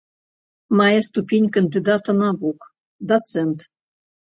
Мае ступень кандыдата навук, дацэнт.